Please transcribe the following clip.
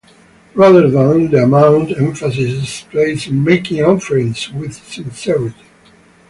Rather than the amount, emphasis is placed on making offerings with sincerity.